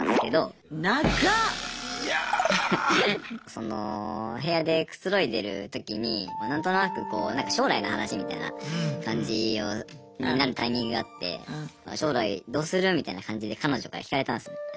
その部屋でくつろいでる時に何となく将来の話みたいな感じになるタイミングがあって将来どうする？みたいな感じで彼女から聞かれたんすね。